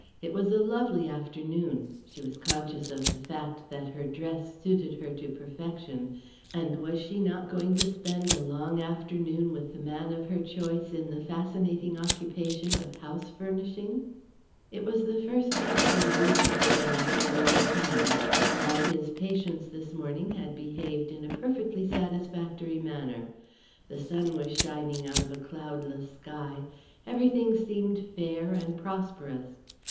It was a lovely afternoon, she was conscious of the fact that her dress suited her to perfection, and was she not going to spend a long afternoon with the man of her choice in the fascinating occupation of house furnishing? It was the first half day Bruce had taken off for a long time. All his patients this morning had behaved in a perfectly satisfactory manner. The sun was shining out of a cloudless sky, everything seemed fair and prosperous.